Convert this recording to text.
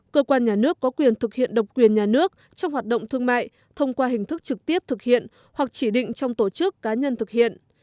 cơ quan nhà nước có quyền thực hiện độc quyền nhà nước trong hoạt động thương mại thông qua hình thức trực tiếp thực hiện hoặc chỉ định trong tổ chức cá nhân thực hiện